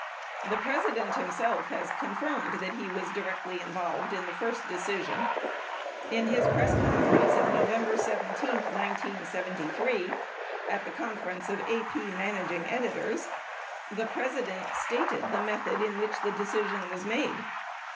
23 The President himself has confirmed that he was directly involved in the first decision. In his press conference of November 17, 1973, at the conference of AP managing editors, the President stated the method in which the decision was made.